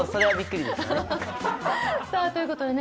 さあということでね